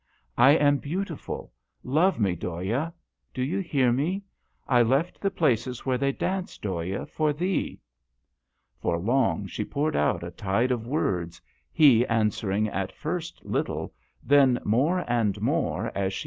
I am beautiful ; love me, Dhoya. Do you hear me ? I left the places where they dance, Dhoya, for thee !" For long she poured out a tide of words, he answering at first little, then more and more as she 184 DHOYA.